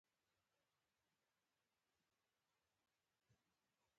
نورګل کاکا :ګوره جباره وينه په وينو نه مينځل کيږي.